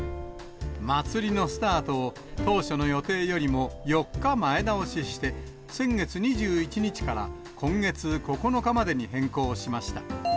祭りのスタートを当初の予定よりも４日前倒しして先月２１日から今月９日までに変更しました。